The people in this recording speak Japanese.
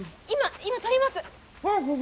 今今取ります！